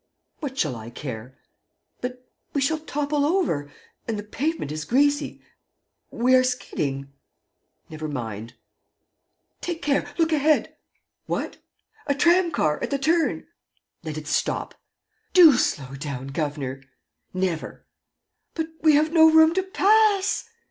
..." "What shall I care?" "But we shall topple over. ... And the pavement is greasy ... we are skidding. ..." "Never mind." "Take care. ... Look ahead. ..." "What?" "A tram car, at the turn. ..." "Let it stop!" "Do slow down, governor!" "Never!" "But we have no room to pass!"